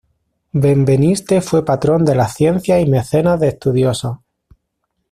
Benveniste fue patrón de las ciencias y mecenas de estudiosos.